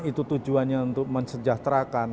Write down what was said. itu tujuannya untuk mensejahterakan